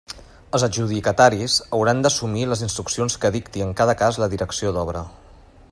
Els adjudicataris hauran d'assumir les instruccions que dicte en cada cas la Direcció d'obra.